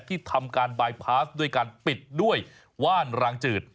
ที่ทำการบายพาสด้วยการปิดด้วยว่านรางจืด